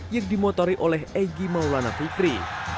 yang dimotori oleh egy maulana fikri